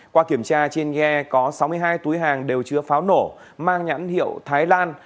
qua kiểm tra trên ghe có sáu mươi hai túi hàng đều chứa pháo nổ mang nhãn hiệu thái lan